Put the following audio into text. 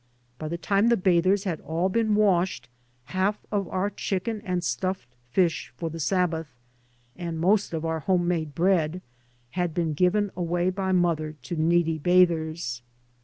By the time the bathers had all been washed half of our chicken and stuffed fish for the Sabbath, and most of our home made bread had been given away by mother to needy bathers.